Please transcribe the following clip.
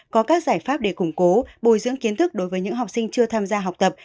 có các giải pháp để củng cố bồi dưỡng kiến thức đối với những học sinh chưa tham gia học tập